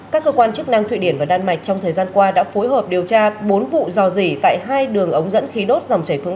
các cơ quan chức năng thụy điển và đan mạch trong thời gian qua đã phối hợp điều tra bốn vụ dò dỉ tại hai đường ống dẫn khí đốt dòng chảy phương